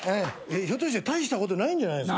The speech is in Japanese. ひょっとして大したことないんじゃないですか？